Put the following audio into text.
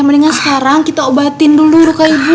mendingan sekarang kita obatin dulu ruka ibu